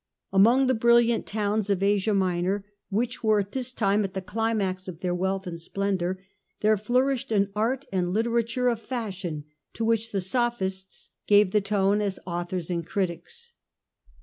Among the brilliant towns of Asia Minor, which were at CH. yiii. 1 84 The Age of the A nto 7 iines. this time at the climax of their wealth and splendour there flourished an art and literature of fashion, to which the Sophists gave the tone as authors and as critics.